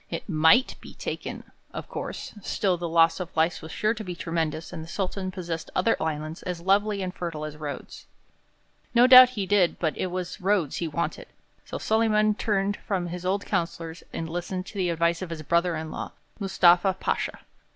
It might be taken, of course; still the loss of life was sure to be tremendous and the Sultan possessed other islands as lovely and fertile as Rhodes. No doubt he did; but it was Rhodes he wanted, so Solyman turned from his old councillors and listened to the advice of his brother in law, Mustafa Pasha.